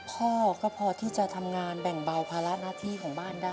พ่อก็พอที่จะทำงานแบ่งเบาภาระหน้าที่ของบ้านได้